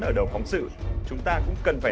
ở đầu phóng sự chúng ta cũng cần phải